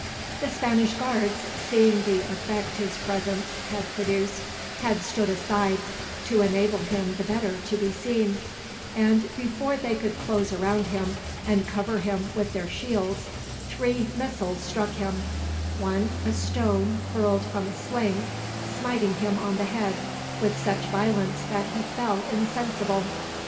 The Spanish guards, seeing the effect his presence had produced, had stood aside, to enable him the better to be seen; and before they could close around him, and cover him with their shields, three missiles struck him; one, a stone hurled from a sling, smiting him on the head with such violence that he fell insensible.